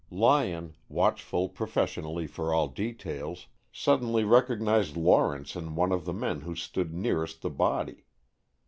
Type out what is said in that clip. Lyon, watchful professionally for all details, suddenly recognized Lawrence in one of the men who stood nearest the body.